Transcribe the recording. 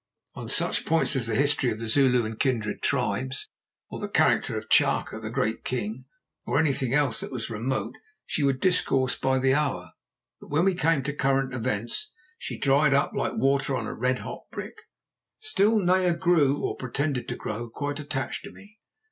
On such points as the history of the Zulu and kindred tribes, or the character of Chaka, the great king, or anything else that was remote she would discourse by the hour. But when we came to current events, she dried up like water on a red hot brick. Still, Naya grew, or pretended to grow, quite attached to me.